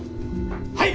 はい！